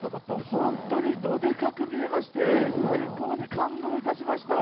ほんとにどでかく見えまして、最高に感動いたしました。